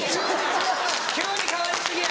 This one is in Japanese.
急に変わり過ぎや。